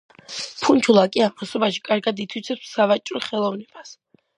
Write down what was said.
ფუნჩულა კი ამასობაში კარგად ითვისებს სავაჭრო ხელოვნებას.